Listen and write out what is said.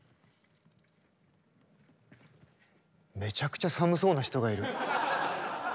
めちゃくちゃ寒そうな人がいる。